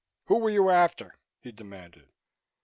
"Who were you after?" he demanded.